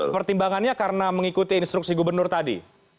pertimbangannya karena mengikuti instruksi gubernur tadi